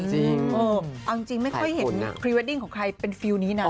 จริงเอาจริงไม่ค่อยเห็นพรีเวดดิ้งของใครเป็นฟิลล์นี้นะ